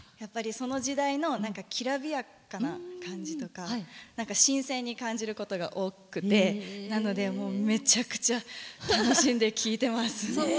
その時代のきらびやかな感じとか新鮮に感じることが多くてなので、めちゃくちゃ楽しんで聴いてます。